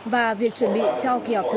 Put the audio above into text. và việc chuẩn bị cho kỳ họp thứ bảy